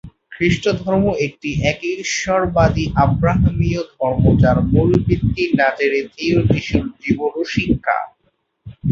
খ্রিষ্টধর্ম একটি একেশ্বরবাদী আব্রাহামীয় ধর্ম যার মূল ভিত্তি নাজারেথীয় যিশুর জীবন ও শিক্ষা।